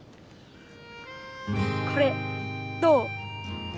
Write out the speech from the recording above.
これどう？